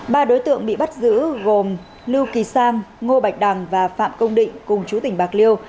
ba đối tượng bị bắt giữ gồm lưu kỳ sang ngô bạch đằng và phạm công định cùng chú tỉnh bạc liêu